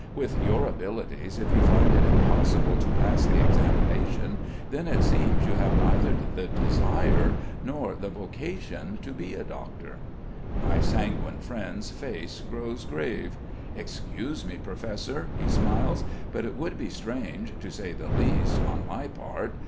With your abilities, if you find it impossible to pass the examination, then it seems you have neither the desire nor the vocation to be a doctor." My sanguine friend's face grows grave. "Excuse me, Professor," he smiles, "but it would be strange, to say the least, on my part.